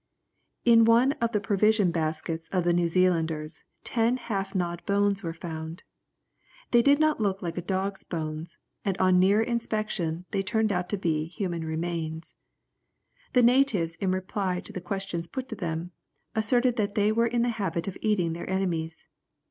In one of the provision baskets of the Zealanders ten half gnawed bones were found. They did not look like a dog's bones, and on nearer inspection they turned out to be human remains. The natives in reply to the questions put to them, asserted that they were in the habit of eating their enemies.